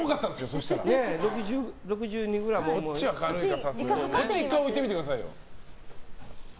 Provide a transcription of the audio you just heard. そっち、１回置いてみてくださいよ。